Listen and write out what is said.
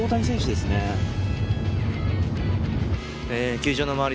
球場の周り